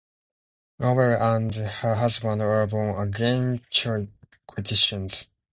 Noble and her husband are born again Christians.